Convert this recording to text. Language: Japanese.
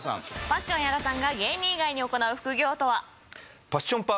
パッション屋良さんが芸人以外に行う副業とは？